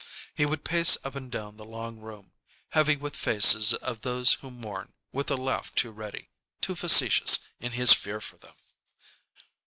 He would pace up and down the long room, heavy with the faces of those who mourn, with a laugh too ready, too facetious, in his fear for them.